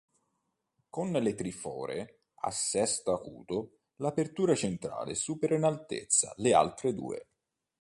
Con le trifore a sesto acuto l'apertura centrale supera in altezza le altre due.